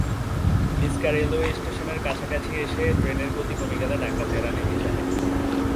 বিসকা railway স্টেশনের কাছাকাছি এসে ট্রেনের গতি কমে গেলে ডাকাতেরা নেমে যায়।